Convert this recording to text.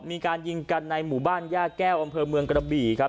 มีการยิงกันในหมู่บ้านย่าแก้วอำเภอเมืองกระบี่ครับ